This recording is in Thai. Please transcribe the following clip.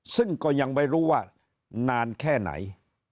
ซึ่งก็ยังไม่รู้ว่านานแค่ไหน